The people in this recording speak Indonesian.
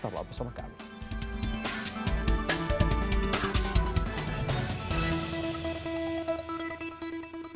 tetap berapa sama kami